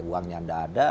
uangnya tidak ada